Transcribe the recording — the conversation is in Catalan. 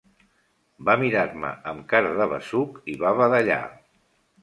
Va mirar-me amb cara de besuc i va badallar.